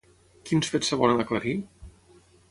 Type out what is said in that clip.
Quins fets es volen aclarir?